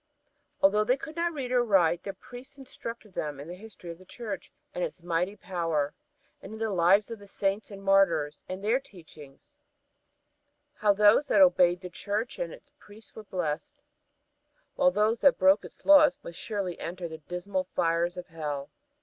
Although they could not read or write, their priests instructed them in the history of the Church and its mighty power, and in the lives of the Saints and Martyrs and their teachings how those that obeyed the Church and its priests were blessed, while those that broke its laws must surely enter the dismal fires of Hell.